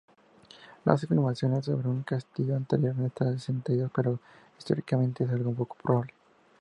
Las afirmaciones sobre un castillo anterior están extendidas, pero históricamente es algo poco probable.